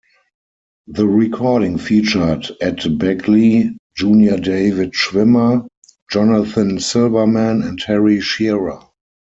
The recording featured Ed Begley, Junior David Schwimmer, Jonathan Silverman and Harry Shearer.